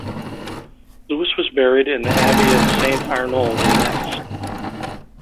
Louis was buried in the Abbey of Saint-Arnould in Metz.